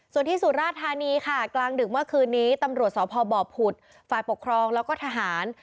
ส่วนที่สุราธานีค่ะกลางดึกเมื่อคืนนี้ตำรวจสพบผุดฝ่ายปกครองแล้วก็ทหาร